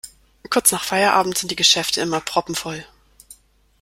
Kurz nach Feierabend sind die Geschäfte immer proppenvoll.